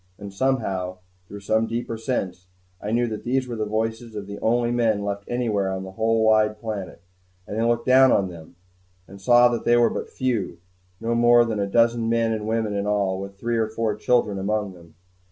And somehow, through some deeper sense, I knew that these were the voices of the only men left anywhere on the whole wide planet. And I looked down on them, and saw that they were but few, no more than a dozen men and women in all, with three or four children among them.